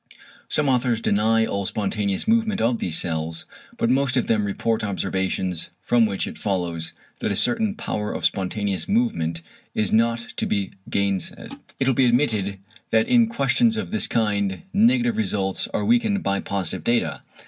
Some authors deny all spontaneous movement of these cells; but most of them report observations from which it follows that a certain power of spontaneous movement is not to be gainsaid. It will be admitted that in questions of this kind, negative results are weakened by positive data.